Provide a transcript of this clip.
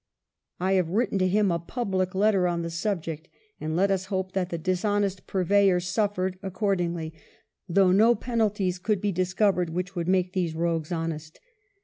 I have written to him a public letter on the subject," and let us hope that the dishonest purveyor suffered accord ingly, though no penalties could be discovered which would make these rogues honest.